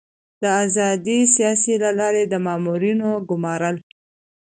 د آزادې سیالۍ له لارې د مامورینو ګمارل.